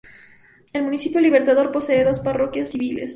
El Municipio Libertador posee dos parroquias civiles.